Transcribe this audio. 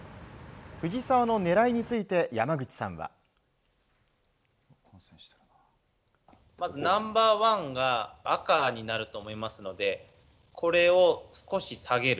藤澤の狙いについて山口さんは。ナンバーワンが赤になると思いますのでこれを少し下げる。